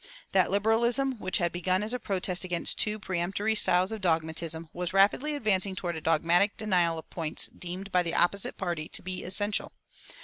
That liberalism which had begun as a protest against a too peremptory style of dogmatism was rapidly advancing toward a dogmatic denial of points deemed by the opposite party to be essential.